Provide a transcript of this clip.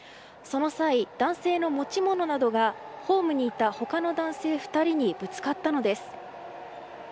その際男性の持ち物などがホームにいた他の男性２人にぶつかったのです。